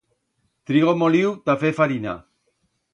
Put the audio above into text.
Trigo moliu ta fer farina.